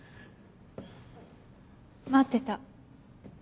待ってた。